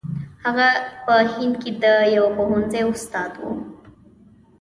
هغه په هند کې د یوه پوهنځي استاد وو.